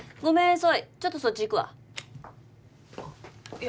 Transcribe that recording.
ソイちょっとそっち行くわいや